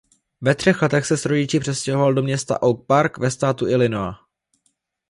Ve třech letech se s rodiči přestěhoval do města Oak Park ve státu Illinois.